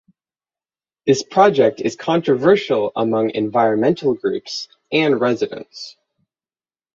This project is controversial among environmental groups and residents.